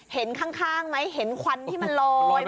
เห็นข้างไหมเห็นควันที่มันลอย